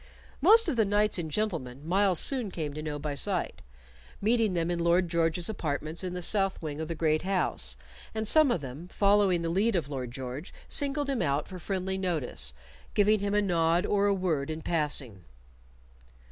Most of the knights and gentlemen Myles soon came to know by sight, meeting them in Lord George's apartments in the south wing of the great house, and some of them, following the lead of Lord George, singled him out for friendly notice, giving him a nod or a word in passing.